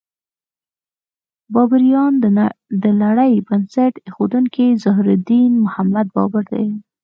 بابریان: د لړۍ بنسټ ایښودونکی ظهیرالدین محمد بابر دی.